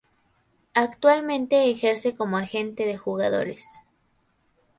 Actualmente ejerce como Agente de jugadores.